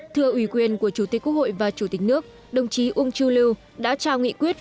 thưa ủy quyền của chủ tịch quốc hội và chủ tịch nước đồng chí uông chu lưu đã trao nghị quyết